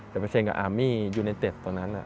จะไปเซ็นกับอาร์มี่ยูเนตเต็ดตรงนั้น